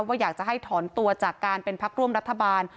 อยากจะให้ถอนตัวจากการเป็นพักร่วมรัฐบาล